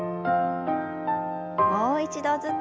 もう一度ずつ。